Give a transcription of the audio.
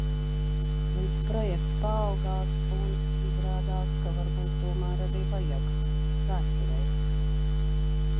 Līdz projekts paaugās, un, izrādās, ka varbūt tomēr arī vajag. Vēsturei.